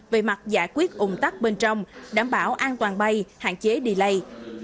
về mặt giải quyết ủng tắc bên trong đảm bảo an toàn bay hạn chế delay